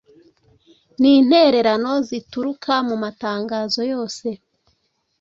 nintererano zituruka mumatangazo yose